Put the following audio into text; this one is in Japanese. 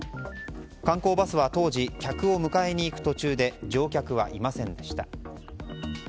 観光バスは当時客を迎えに行く途中で乗客はいませんでした。